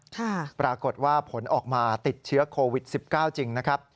ปรากฏว่าผลออกมาติดเชื้อโควิด๑๙จริงนะครับ